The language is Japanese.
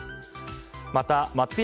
また松屋